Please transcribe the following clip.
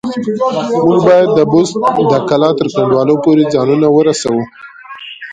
موږ بايد د بست د کلا تر کنډوالو پورې ځانونه ورسوو.